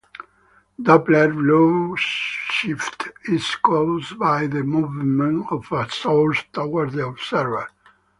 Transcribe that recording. Doppler blueshift is caused by movement of a source towards the observer.